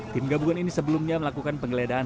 tim gabungan ini sebelumnya melakukan penggeledahan